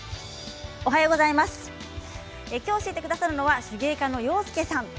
今日教えてくださるのは手芸家の洋輔さんです。